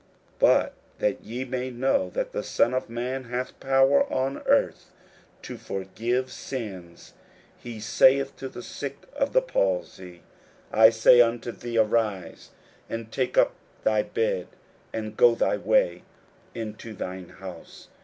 41:002:010 But that ye may know that the Son of man hath power on earth to forgive sins, (he saith to the sick of the palsy,) 41:002:011 I say unto thee, Arise, and take up thy bed, and go thy way into thine house.